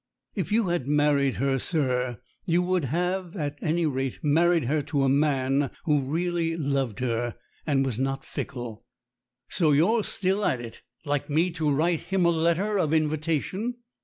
"If you had married her, sir, you would have, at any rate, married her to a man who really loved her, and was not fickle." "So you're still at it? Like me to write him a letter of invitation?"